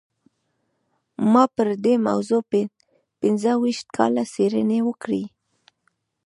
ما پر دې موضوع پينځه ويشت کاله څېړنې وکړې.